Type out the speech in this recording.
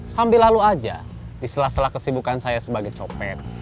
sambil lalu aja diselah selah kesibukan saya sebagai copet